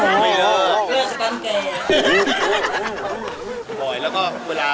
ไม่ธรรมดา